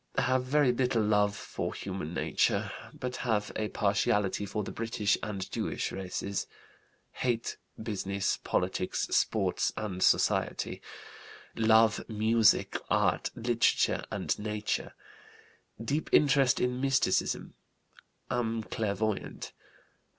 Have very little love for human nature, but have a partiality for the British and Jewish races. Hate business, politics, sports, and society. Love music, art, literature, and nature. Deep interest in mysticism. Am clairvoyant.